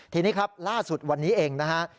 ทีนี้ครับล่าสุดวันนี้เองนะฮะ